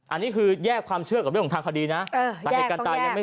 อันนี้คือแยกความเชื่อกับเรื่องของทางคดีนะ